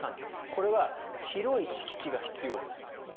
これは広い敷地が必要です。